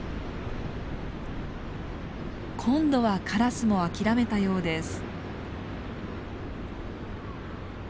今度はカラスも諦めたようです。